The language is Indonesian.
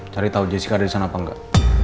cari tahu jessica ada di sana apa enggak